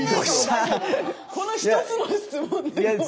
この１つの質問で。